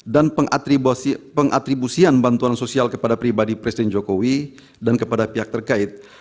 dan pengatribusian bantuan sosial kepada pribadi presiden jokowi dan kepada pihak terkait